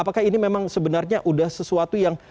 apakah ini memang sebenarnya sudah sesuatu yang